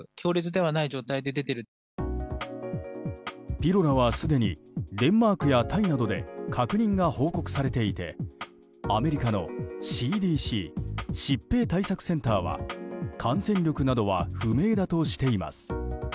ピロラはすでにデンマークやタイなどで確認が報告されていてアメリカのＣＤＣ・疾病対策センターは感染力などは不明だとしています。